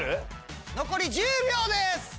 残り１０秒です！